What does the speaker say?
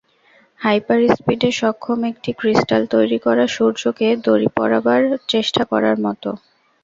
হাইপার-স্পিডে সক্ষম একটি ক্রিস্টাল তৈরি করা, সূর্যকে দড়ি পরাবার চেষ্টা করার মতো।